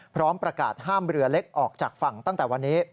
พร้อมประกาศห้ามเรือเล็กออกจากฝั่งตั้งแต่วันนี้